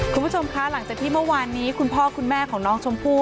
คุณผู้ชมคะหลังจากที่เมื่อวานนี้คุณพ่อคุณแม่ของน้องชมพู่